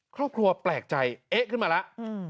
ครอบครัวแปลกใจเอ๊ะขึ้นมาแล้ว